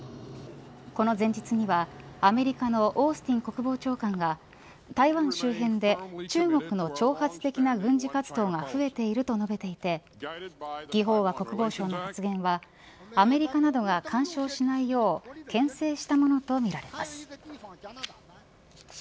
この前日にはアメリカのオースティン国務国防長官が台湾周辺で中国の挑発的な軍事活動が増えていると述べていて魏鳳和国防相の発言はアメリカなどが干渉しないようけん制したものとみられます。